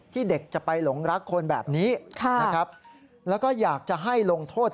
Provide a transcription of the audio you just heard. เด็กจะไปหลงรักคนแบบนี้นะครับแล้วก็อยากจะให้ลงโทษ